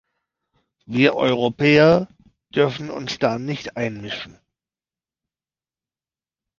Wir Europäer dürfen uns da nicht einmischen.